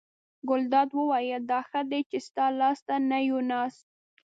ګلداد وویل: دا ښه دی چې ستا لاس ته نه یو ناست.